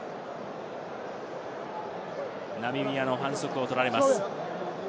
ナミビアの反則を取られます。